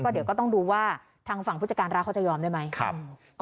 เดี๋ยวก็ต้องดูว่าทางฝั่งผู้จัดการร้านเขาจะยอมได้ไหม